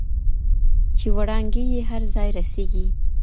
چې وړانګې یې هر ځای رسیږي.